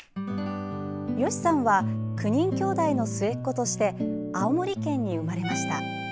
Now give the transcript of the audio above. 吉さんは９人きょうだいの末っ子として青森県に生まれました。